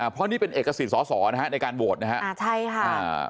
เพราะนี่เป็นเอกสิทธิ์สอสอในการโหวตใช่ค่ะ